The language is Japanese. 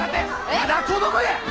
まだ子供や！